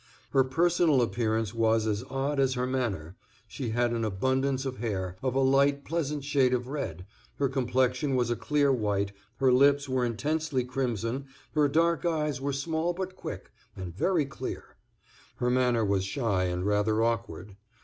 Her personal appearance was as odd as her manner; she had an abundance of hair, of a light, pleasant shade of red, her complexion was a clear white, her lips were intensely crimson, her dark eyes were small but quick, and very clear. Her manner was shy, and rather awkward.